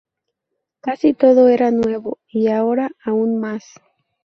Casi todo era nuevo y ahora aún más.